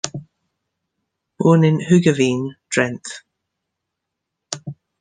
Born in Hoogeveen, Drenthe.